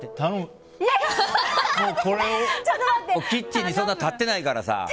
キッチンにそんな立ってないからさ。